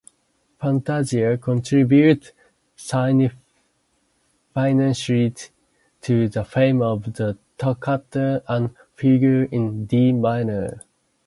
"Fantasia" contributed significantly to the fame of the Toccata and Fugue in D minor.